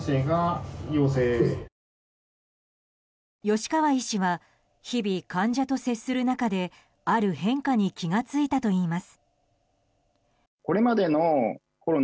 吉川医師は日々患者と接する中である変化に気が付いたといいます。